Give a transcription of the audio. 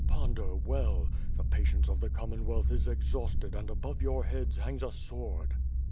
Ponder well! the patience of the Commonwealth is exhausted and above your heads hangs a sword."